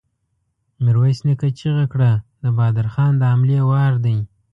ميرويس نيکه چيغه کړه! د بهادر خان د حملې وار دی!